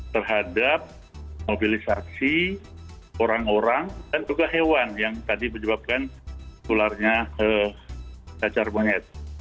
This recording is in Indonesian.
terhadap mobilisasi orang orang dan juga hewan yang tadi menyebabkan tularnya cacar monyet